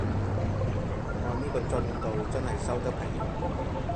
按呢個進度真係收得皮